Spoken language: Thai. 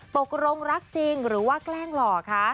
ตกลงรักจริงหรือว่าแกล้งหล่อคะ